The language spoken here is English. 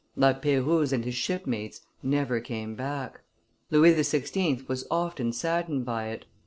La Peyrouse and his shipmates never came back. Louis XVI. was often saddened by it.